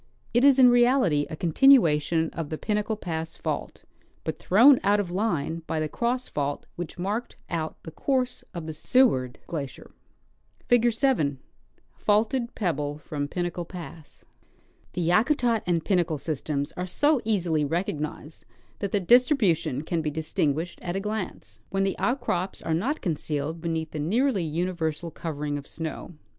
It is in reality a continuation of the Pinnacle pass fault, but thrown out of line by the cross fault which marked out the course of the Seward glacier. Figure 7 — Faulted Pebble from Pinnacle Pass. The Yakutat and Pinnacle systems are so easily recognized that their distribution can be distinguished at a glance, when the outcrops are not concealed beneath the nearly universal covering of snow.